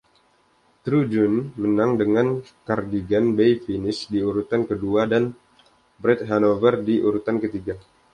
True Duane menang dengan Cardigan Bay finis di urutan kedua dan Bret Hanover di urutan ketiga.